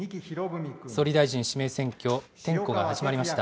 総理大臣指名選挙、点呼が始まりました。